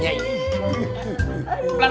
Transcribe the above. ya kelap pak d